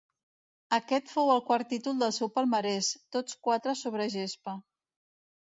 Aquest fou el quart títol del seu palmarès, tots quatre sobre gespa.